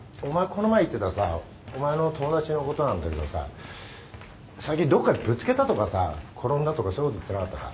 この前言ってたさお前の友達のことなんだけどさ最近どっかぶつけたとかさ転んだとかそういうこと言ってなかったか？